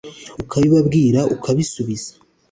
ukabibabwira ukabisubiza